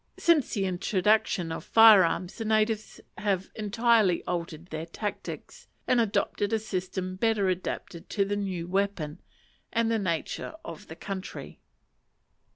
Since the introduction of fire arms the natives have entirely altered their tactics, and adopted a system better adapted to the new weapon and the nature of the country.